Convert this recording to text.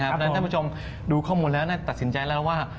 เพราะฉะนั้นท่านผู้ชมดูข้อมูลแล้วน่าตัดสินใจแล้วว่า